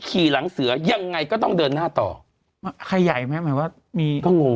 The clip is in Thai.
ขี่หลังเสือยังไงก็ต้องเดินหน้าต่อขยายไหมหมายว่ามีก็งง